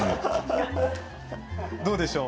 どうでしょう？